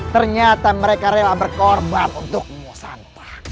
ternyata mereka rela berkorban untukmu santa